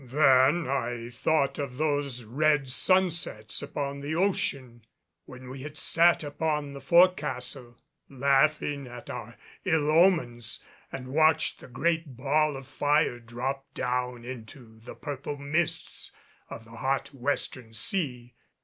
Then I thought of those red sunsets upon the ocean, when we had sat upon the fore castle laughing at our ill omens and watched the great ball of fire drop down into the purple mists of the hot western sea.